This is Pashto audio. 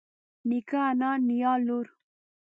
نيکه انا نيا لور